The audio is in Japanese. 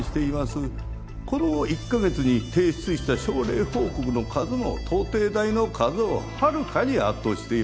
この１か月に提出した症例報告の数も東帝大の数をはるかに圧倒しています。